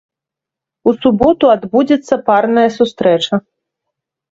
У суботу адбудзецца парная сустрэча.